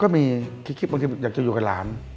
ก็มีคิดบางทีอยากจะอยู่กับหลาน